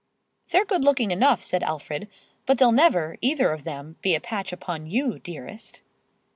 "They're good looking enough," said Alfred, "but they'll never, either of them, be a patch upon you, dearest."